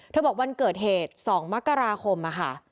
บอกวันเกิดเหตุ๒มกราคมค่ะ